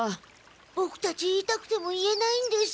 ボクたち言いたくても言えないんです。